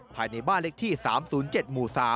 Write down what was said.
ภายในบ้านเลขที่๓๐๗หมู่๓